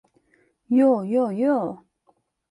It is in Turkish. Yo, yo, yo.